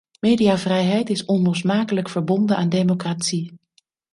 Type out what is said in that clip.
Mediavrijheid is onlosmakelijk verbonden aan democratie.